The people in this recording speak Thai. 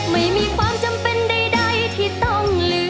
ไม่มีความจำเป็นใดที่ต้องลืม